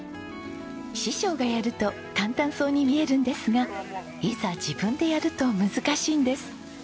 師匠がやると簡単そうに見えるんですがいざ自分でやると難しいんです。